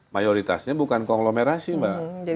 mayoritasnya bukan konglomerasi mbak